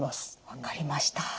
分かりました。